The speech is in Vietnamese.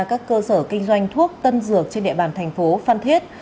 các cơ sở kinh doanh thuốc tân dược trên địa bàn thành phố phan thiết